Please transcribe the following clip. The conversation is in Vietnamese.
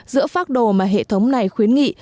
giữa pháp đồ mà hệ thống này khuyến nghị